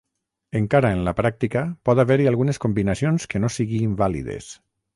Encara en la pràctica, pot haver-hi algunes combinacions que no siguin vàlides.